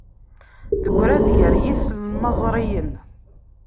Tegra-d gar yislamẓriyen.